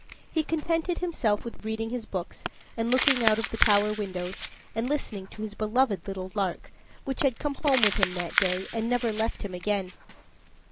He contented himself with reading his books, and looking out of the tower windows, and listening to his beloved little lark, which had come home with him that day, and never left him again.